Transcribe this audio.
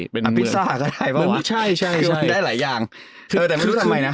เป็นเมืองอ่าพิซซ่าก็ได้ปะวะใช่ใช่คือมันได้หลายอย่างเออแต่ไม่รู้ทำไมน่ะ